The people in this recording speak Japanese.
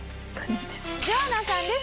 ジョアナさんです。